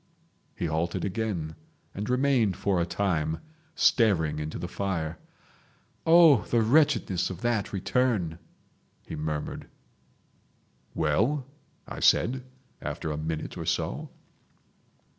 He halted again, and remained for a time, staring into the fire. "Oh! the wretchedness of that return!" he murmured. "Well?" I said after a minute or so.